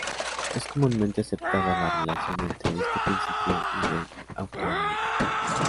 Es comúnmente aceptada la relación entre este principio y el de autonomía.